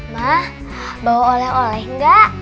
mah bawa oleh oleh enggak